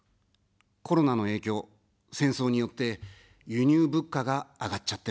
コロナの影響、戦争によって、輸入物価が上がっちゃってます。